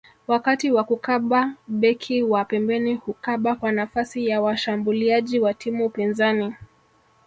Wakati wa kukaba beki wa pembeni hukaba kwa nafasi ya washambuliaji wa timu pinzani